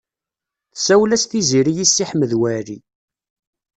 Tsawel-as Tiziri i Si Ḥmed Waɛli.